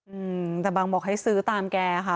อืมแต่บางบอกให้ซื้อตามแกค่ะ